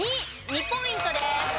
２ポイントです。